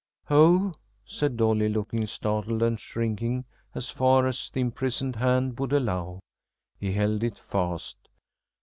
"Oh!" said Dolly, looking startled and shrinking as far as the imprisoned hand would allow. He held it fast.